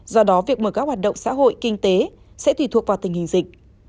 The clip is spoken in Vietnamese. do đó việc mở các hoạt động xã hội kinh tế sẽ tùy thuộc vào tình hình dịch